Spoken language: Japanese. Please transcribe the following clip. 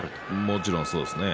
もちろん、そうですね。